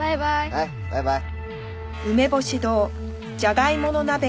はいバイバイ。